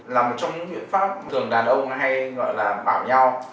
là một trong những biện pháp thường đàn ông hay gọi là bảo nhau